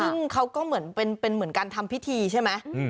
ซึ่งเขาก็เหมือนเป็นเหมือนการทำพิธีใช่ไหม